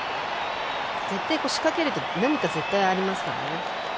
仕掛けると何か絶対ありますからね。